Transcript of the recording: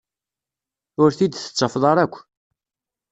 Ur t-id-tettafeḍ ara akk.